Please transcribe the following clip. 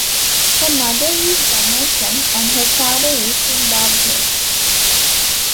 Her mother is Jamaican and her father is Zimbabwean.